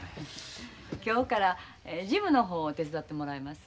今日から事務の方を手伝ってもらいます。